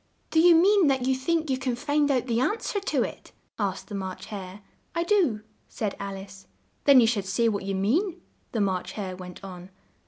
"Do you mean that you think you can find out the an swer to it?" asked the March Hare. "I do," said Al ice. "Then you should say what you mean," the March Hare went on.